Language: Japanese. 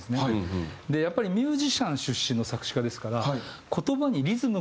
やっぱりミュージシャン出身の作詞家ですから。